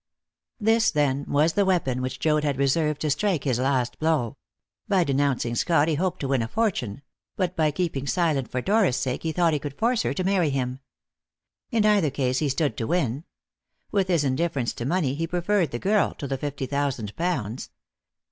This, then, was the weapon which Joad had reserved to strike his last blow. By denouncing Scott he hoped to win a fortune; but by keeping silent for Dora's sake he thought he could force her to marry him. In either case he stood to win. With his indifference to money, he preferred the girl to the fifty thousand pounds.